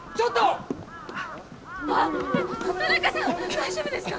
大丈夫ですか？